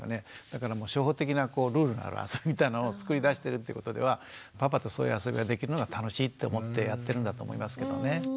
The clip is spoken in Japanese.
だから初歩的なルールのある遊びみたいなのを作り出してるってことではパパとそういう遊びができるのが楽しいと思ってやってるんだと思いますけどね。